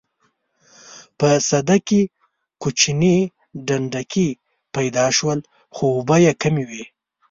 په سده کې کوچني ډنډکي پیدا شول خو اوبه یې کمې وې.